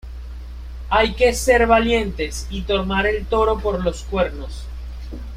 Hay que ser valientes y tomar el toro por los cuernos